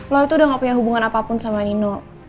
lo itu udah gak punya hubungan apapun sama nino